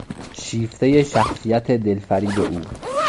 شیفتهی شخصیت دلفریب او